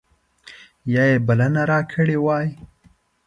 یا یې بلنه راکړې وای.